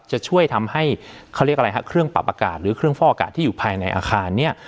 จะช่วยทำให้เครื่องปรับอากาศหรือเครื่องฟ่าอากาศที่อยู่ภายในอาคารเนี่ย